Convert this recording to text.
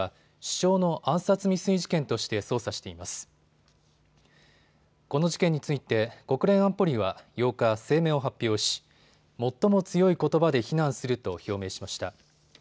この事件について国連安保理は８日、声明を発表し最も強いことばで非難すると表明しました。